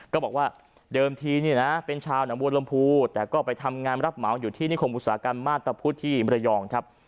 ก็บอกว่าเดิมทีเนี่ยนะเป็นชาวหนังบัวลมภูแต่ก็ไปทำงานรับเหมาอยู่ที่นิคมอุตสาหกรรมมาตรพุทธที่มรยองครับ